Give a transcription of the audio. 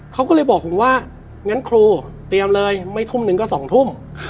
เขาก็เลยบอกผมว่างั้นครูเตรียมเลยไม่ทุ่มหนึ่งก็๒ทุ่ม